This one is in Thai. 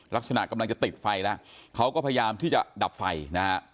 ลักษณะกำลังจะติดไฟแล้วเขาก็พยายามที่จะดับไฟนะฮะ